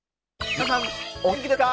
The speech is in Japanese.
皆さんお元気ですか！